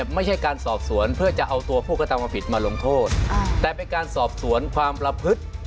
ไม่ใช่การอธิบายตรวงโทษแต่เกี่ยวกันสบหวัดความละพึทย์